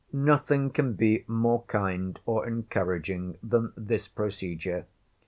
Nothing can be more kind or encouraging than this procedure.